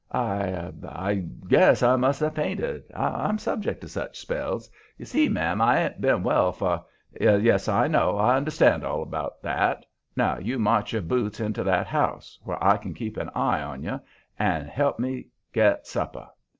"I I guess I must have fainted. I'm subject to such spells. You see, ma'am, I ain't been well for " "Yes, I know. I understand all about that. Now, you march your boots into that house, where I can keep an eye on you, and help me get supper.